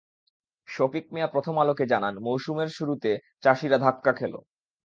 শফিক মিয়া প্রথম আলোকে জানান, মৌসুমে শুরুতে চাষিরা ধাক্কা খেল।